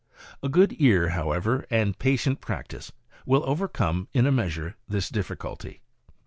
A good ear, however, and patient practice, will overcome, in a measure, this difficulty.